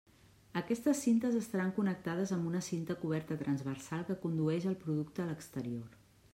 Aquestes cintes estaran connectades amb una cinta coberta transversal que condueix el producte a l'exterior.